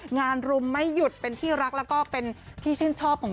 รุมไม่หยุดเป็นที่รักแล้วก็เป็นที่ชื่นชอบของ